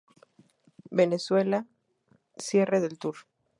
Venezuela: Cierre Del Tour